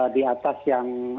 di atas yang